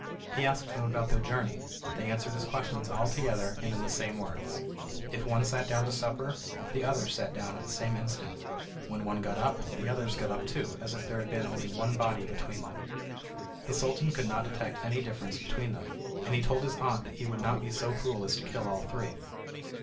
He asked them about their journey; they answered his questions all together, and in the same words. If one sat down to supper, the others sat down at the same instant. When one got up, the others got up too, as if there had been only one body between them. The Sultan could not detect any difference between them, and he told his aunt that he would not be so cruel as to kill all three.